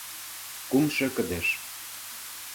Кумшо кыдеж